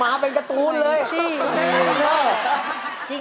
หมาเป็นกระตูน